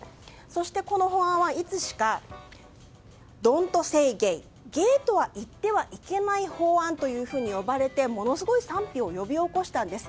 そして、この法案はいつしか「Ｄｏｎ’ｔｓａｙｇａｙ」ゲイとは言ってはいけない法案と呼ばれてものすごい賛否を呼び起こしたんです。